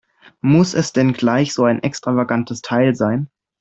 Muss es denn gleich so ein extravagantes Teil sein?